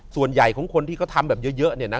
ส่วนใหญ่คนที่ทำแบบเยอะ